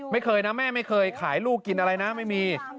ไม่เคยนะแม่ไม่เคยขายลูกกินอะไรนะไม่มี